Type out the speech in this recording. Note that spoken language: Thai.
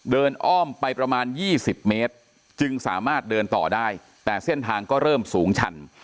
อ้อมไปประมาณ๒๐เมตรจึงสามารถเดินต่อได้แต่เส้นทางก็เริ่มสูงชัน